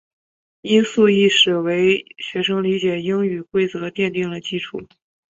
音素意识为学生理解英语规则奠定了基础。